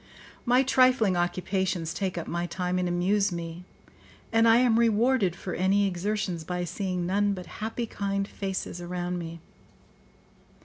My trifling occupations take up my time and amuse me, and I am rewarded for any exertions by seeing none but happy, kind faces around me.